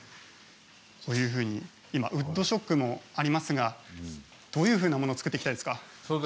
今ウッドショックもありますがどういうふうなものを作っていきたいですか。